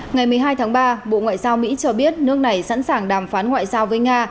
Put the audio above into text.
ngày một mươi hai tháng ba bộ ngoại giao mỹ cho biết nước này sẵn sàng đàm phán ngoại giao với nga